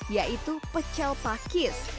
yaitu pecel pakis